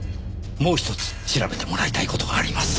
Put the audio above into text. もうひとつ調べてもらいたい事があります。